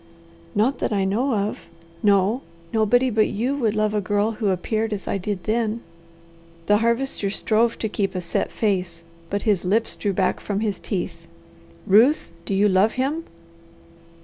"Not that I know of. No! Nobody but you would love a girl who appeared as I did then." The Harvester strove to keep a set face, but his lips drew back from his teeth. "Ruth, do you love him?"